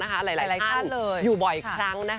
หลายท่านอยู่บ่อยครั้ง